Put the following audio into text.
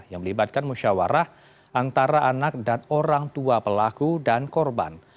yang melibatkan musyawarah antara anak dan orang tua pelaku dan korban